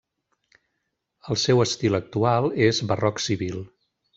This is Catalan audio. El seu estil actual és barroc civil.